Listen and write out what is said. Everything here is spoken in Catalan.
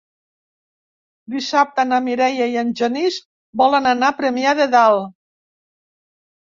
Dissabte na Mireia i en Genís volen anar a Premià de Dalt.